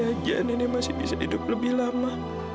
aja nenek masih bisa hidup lebih lama